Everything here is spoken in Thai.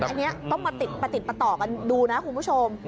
อันนี้ต้องมาติดประต่อกันดูนะครับคุณผู้ชม